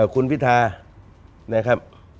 คุณพิธานะครับ